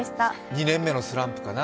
２年目のスランプかな。